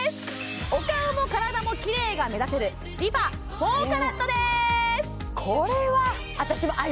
お顔も体もきれいが目指せるＲｅＦａ４ＣＡＲＡＴです